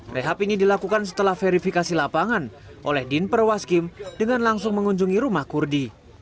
rehab ini dilakukan setelah verifikasi lapangan oleh dinper waskim dengan langsung mengunjungi rumah kurdi